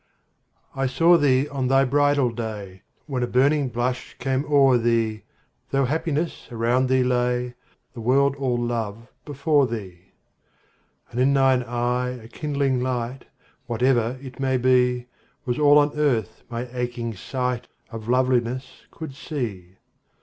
I saw thee on thy bridal day When a burning blush came o'er thee, Though happiness around thee lay, The world all love before thee: And in thine eye a kindling light (Whatever it might be) Was all on Earth my aching sight Of Loveliness could see.